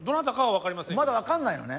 まだ分かんないのね